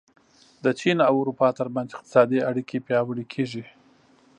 د چین او اروپا ترمنځ اقتصادي اړیکې پیاوړې کېږي.